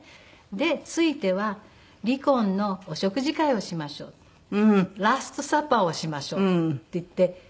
で「ついては離婚のお食事会をしましょう」「ラストサパーをしましょう」って言って。